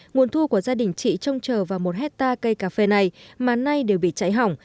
nguồn thu của gia đình chị trông chờ vào một hectare cây cà phê này mà nay đều bị cháy hỏng